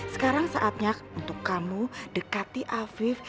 sekarang saatnya untuk kamu dekati afif